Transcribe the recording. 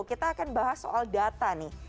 kita akan bahas soal data nih